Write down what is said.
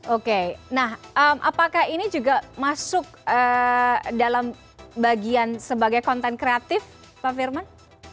oke nah apakah ini juga masuk dalam bagian sebagai konten kreatif pak firman